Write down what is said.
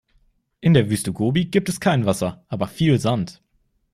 In der Wüste Gobi gibt es kein Wasser, aber viel Sand.